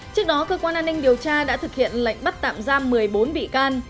trước đó cơ quan an ninh điều tra đã thực hiện lệnh bắt tạm giam một mươi bốn bị can